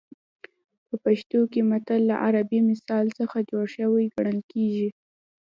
په پښتو کې متل له عربي مثل څخه جوړ شوی ګڼل کېږي